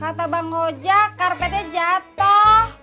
kata bang koja karpetnya jatuh